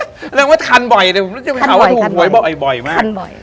เรื่องว่าคันบ่อยผมได้ข่าวว่าถูกหวยบ่อยมาก